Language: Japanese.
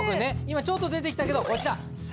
今ちょっと出てきたけどこちら。